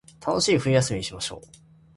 楽しい冬休みにしましょう